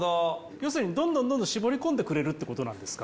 要するにどんどんどんどん絞り込んでくれるってことなんですか？